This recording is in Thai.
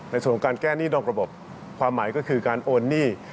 ในส่วนของการแก้หนี้นอกระบบความหมายก็คือการโอนหนี้